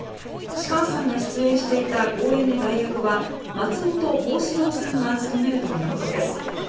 芝翫さんが出演していた公演の代役は松本幸四郎さんが務めるということです。